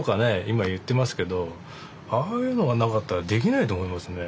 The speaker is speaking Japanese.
今言ってますけどああいうのがなかったらできないと思いますね